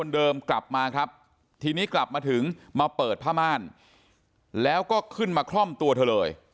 ทีนี้กลับมาถึงมาเปิดผ้าม่านแล้วก็ขึ้นมาคล่อมตัวเลย